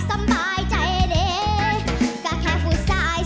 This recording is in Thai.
สิไปทางได้กล้าไปน้องบ่ได้สนของพ่อสำนี